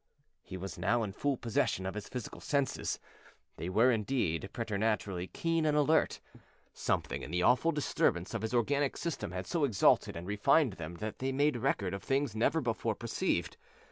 He was now in full possession of his physical senses. They were, indeed, preternaturally keen and alert. Something in the awful disturbance of his organic system had so exalted and refined them that they made record of things never before perceived.